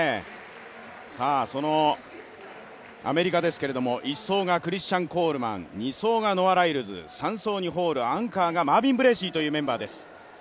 そのアメリカですが、１走がクリスチャン・コールマン、２走がノア・ライルズ、３走にホール、アンカーがマービン・ブレーシーというメンバーです。